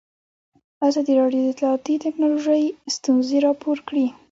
ازادي راډیو د اطلاعاتی تکنالوژي ستونزې راپور کړي.